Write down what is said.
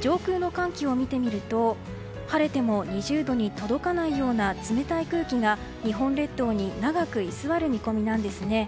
上空の寒気を見てみると晴れても２０度に届かないような冷たい空気が日本列島に長く居座る見込みなんですね。